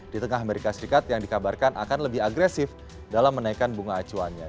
di tengah amerika serikat yang dikabarkan akan lebih agresif dalam menaikkan bunga acuannya